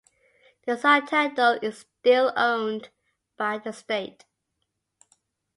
The citadel is still owned by the state.